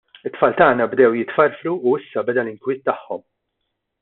It-tfal tagħna bdew jitfarfru u issa beda l-inkwiet tagħhom.